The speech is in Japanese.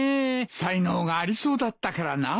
才能がありそうだったからなあ。